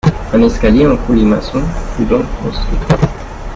Un escalier en colimaçon fut donc construit.